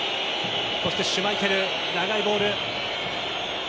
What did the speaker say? そして、シュマイケル長いボール。